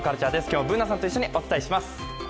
今日もＢｏｏｎａさんと一緒にお伝えします。